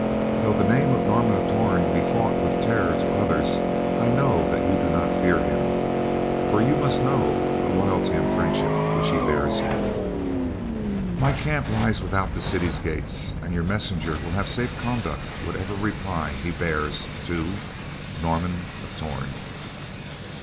Though the name Norman of Torn be fraught with terror to others, I know that you do not fear him, for you must know the loyalty and friendship which he bears you. My camp lies without the city's gates, and your messenger will have safe conduct whatever reply he bears to, Norman of Torn.